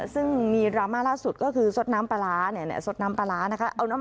ซึ่งมีดราม่าล่าสุดก็คือสดน้ำปลาร้าเนี่ยสดน้ำปลาร้านะคะ